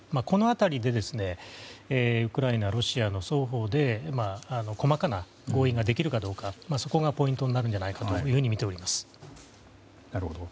この辺りでウクライナ、ロシアの双方で細かな合意ができるかどうかそこがポイントになるのではないかとみております。